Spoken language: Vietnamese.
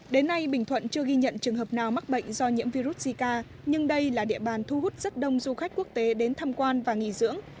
đến nay bình thuận chưa ghi nhận trường hợp nào mắc bệnh do nhiễm virus zika nhưng đây là địa bàn thu hút rất đông du khách quốc tế đến tham quan và nghỉ dưỡng